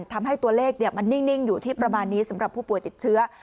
ทำให้ตัวเลขมันนิ่งอยู่ที่ประมาณนี้สำหรับผู้ป่วยติดเชื้อ